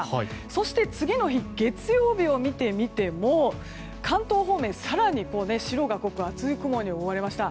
そして次の日月曜日を見てみても関東方面、更に白が濃く厚い雲に覆われました。